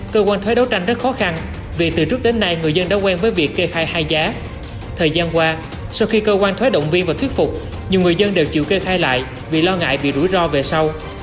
cơ quan thuế động viên và thuyết phục nhiều người dân đều chịu kê khai lại vì lo ngại bị rủi ro về sau